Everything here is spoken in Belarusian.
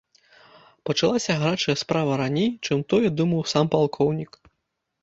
Пачалася гарачая справа раней, чым тое думаў сам палкоўнік.